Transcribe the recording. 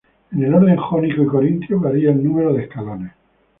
En el orden jónico y corintio varía el número de escalones.